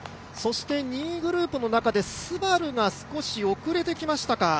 ２位グループの中でＳＵＢＡＲＵが少し遅れてきましたか。